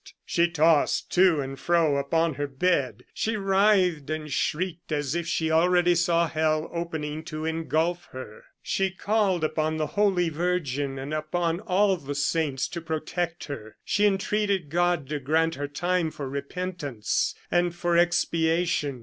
She tossed to and fro upon her bed; she writhed and shrieked as if she already saw hell opening to engulf her. She called upon the Holy Virgin and upon all the saints to protect her. She entreated God to grant her time for repentance and for expiation.